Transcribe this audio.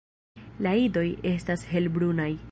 La idoj estas helbrunaj.